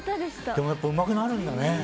でも、うまくなるんだね。